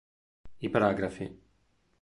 I par.